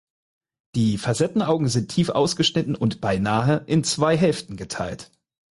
Die Facettenaugen sind tief ausgeschnitten und beinahe in zwei Hälften geteilt.